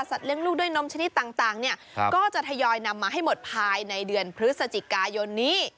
เลี้ยงลูกด้วยนมชนิดต่างเนี่ยก็จะทยอยนำมาให้หมดภายในเดือนพฤศจิกายนนี้